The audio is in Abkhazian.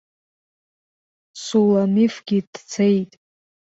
Суламифгьы дцеит!